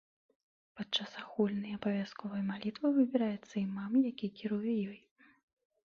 Падчас агульнай абавязковай малітвы, выбіраецца імам, які кіруе ёй.